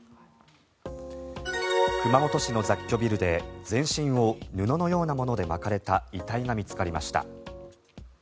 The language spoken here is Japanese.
熊本市の雑居ビルで全身を布のようなもので巻かれた遺体が見つかりました。